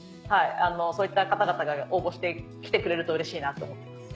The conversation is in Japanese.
そういった方々が応募して来てくれるとうれしいなって思ってます。